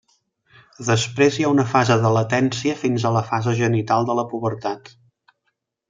Després hi ha una fase de latència fins a la fase genital de la pubertat.